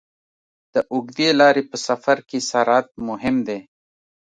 د اوږدې لارې په سفر کې سرعت مهم دی.